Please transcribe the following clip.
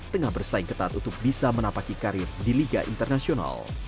tengah bersaing ketat untuk bisa menapaki karir di liga internasional